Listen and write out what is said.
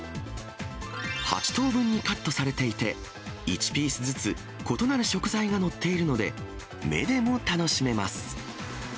８等分にカットされていて、１ピースずつ異なる食材が載っているので、目でも楽しめます。